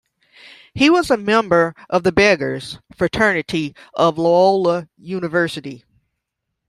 He was a member of the Beggars Fraternity of Loyola University.